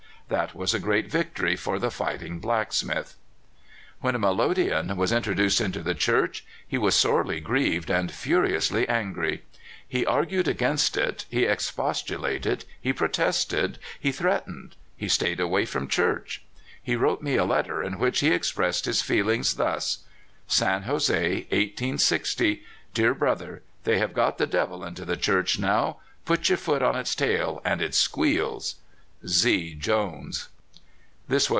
That was a great victory for the fighting black smith. When a melodeon was introduced into the church he was sorely grieved and furiously angry. He argued against it, he expostulated, he protested, he threatened, he stayed away from church. He wrote me a letter, in which he expressed his feel ings thus: San Jose, i860. Dear Brother : They have got the devil into the church now! Put jour foot on its tail, and it squeals. Z.